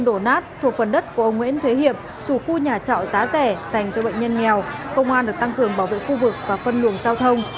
phần thi thể nằm trên lớp trò nát thuộc phần đất của ông nguyễn thuế hiệp chủ khu nhà trọ giá rẻ dành cho bệnh nhân nghèo công an được tăng cường bảo vệ khu vực và phân luồng giao thông